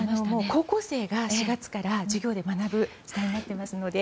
高校生が４月から授業で学ぶ時代になっていますので。